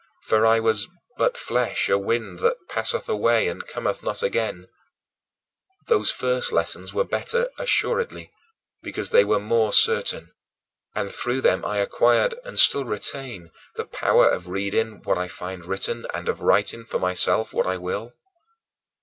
For I was "but flesh, a wind that passeth away and cometh not again." Those first lessons were better, assuredly, because they were more certain, and through them I acquired, and still retain, the power of reading what I find written and of writing for myself what I will.